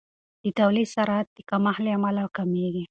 د تولید سرعت د کمښت له امله کمیږي.